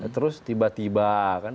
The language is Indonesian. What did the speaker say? terus tiba tiba kan